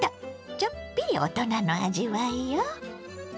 ちょっぴり大人の味わいよ。